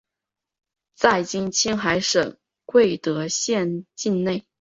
在今青海省贵德县境内。